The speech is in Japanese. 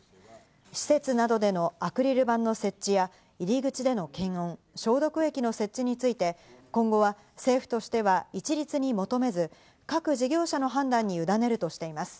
施設などでのアクリル板の設置や、入り口での検温、消毒液の設置について今後は政府としては一律に求めず、各事業者の判断にゆだねるとしています。